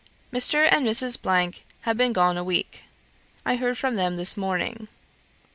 Mr. and Mrs. have been gone a week. I heard from them this morning.